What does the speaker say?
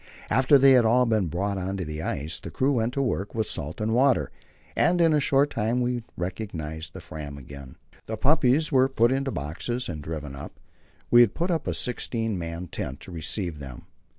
After they had all been brought on to the ice, the crew went to work with salt and water, and in a short time we recognized the Fram again. The puppies were put into boxes and driven up. We had put up a sixteen man tent to receive them.